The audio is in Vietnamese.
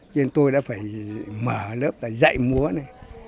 cho nên tôi đã phải mở lớp là dạy múa này